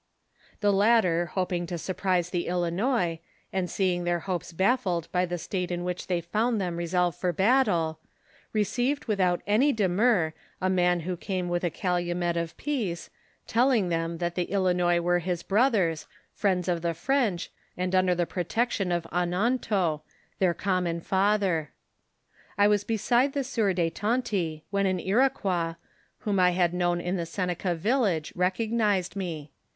Tlie latter hoping to surprise the Ilinois, and seeing their hopes baffled by the state in which they found them resolved for battle, received without any demiu* a man who came with a calumet of peace, telling them, that the Ilinois were his brothers, friends of the French, and under the protection of Ononto, their common fa ther. I was beside the sieur de Tonty, when an Iroquois, whom I had known in the Seneca village, recognised me.